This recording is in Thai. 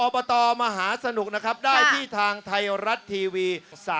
ตมหาสนุกนะครับได้ที่ทางไทยรัฐทีวี๓๓